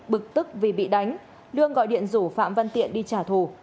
bực tức vì bị đánh lương gọi điện rủ phạm văn tiện đi trả thù